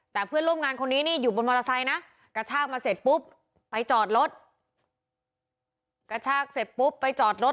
แต่เพื่อนร่วมงานคนนี้นี่อยู่บนมอเตอร์ไซน์นะกระชากมาเสร็จปุ๊บไปจอดรถ